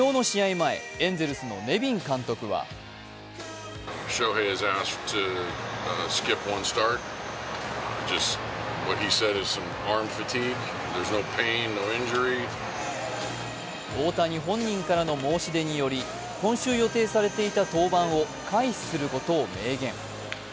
前、エンゼルスのネビン監督は大谷本人からの申し出により今週予定されていた登板を回避することを明言。